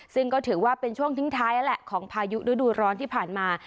ซึ่งก็ถือว่าเป็นช่วงทิ้งท้ายแล้วแหละของพายุฤดูร้อนที่ผ่านมา